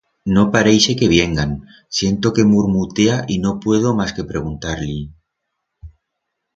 No parixe que viengan. Siento que murmutea y no puedo mas que preguntar-li: